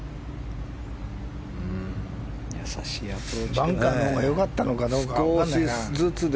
バンカーのほうが良かったのかどうか分かんないな。